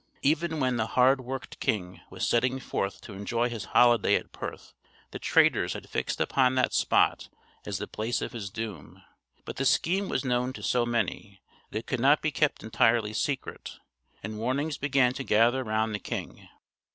Even when the hard worked king was setting forth to enjoy his holiday at Perth, the traitors had fixed upon that spot as the place of his doom; but the scheme was known to so many, that it could not be kept entirely secret, and warnings began to gather round the king.